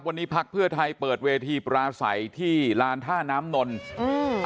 วันนี้พักเพื่อไทยเปิดเวทีปราศัยที่ลานท่าน้ำนนอืม